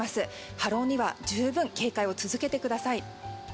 波浪には十分警戒を続けてください。